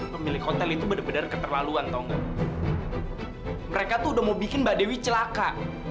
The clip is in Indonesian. pemilik hotel itu bener bener keterlaluan tunggu mereka tuh udah mau bikin mbak dewi celaka